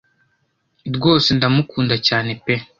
rwose ndamukunda cyane pe